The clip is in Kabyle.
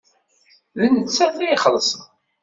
D nettat ad ixellṣen.